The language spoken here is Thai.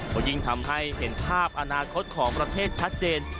ก็ยิ่งทำให้เห็นภาพอนาคตของประเทศชัดเจน